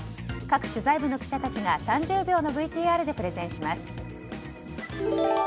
各取材部の記者たちが３０秒のＶＴＲでプレゼンします。